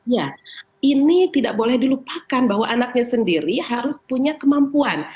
ya ini tidak boleh dilupakan bahwa anaknya sendiri harus punya kemampuan